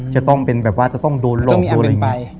จะต้องเป็นแบบว่าจะต้องโดนลงโดนอะไรอย่างนี้